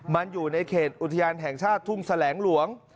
มันอยู่ในเขตอุทยานแห่งชาติทุ่งแสลงหลวง